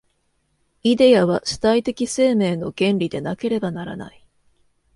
イデヤは主体的生命の原理でなければならない。